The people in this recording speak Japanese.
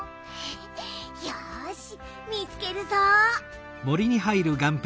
よしみつけるぞ！